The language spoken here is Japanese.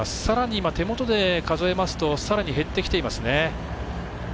さらに、手元で数えますとさらに減ってきていますね。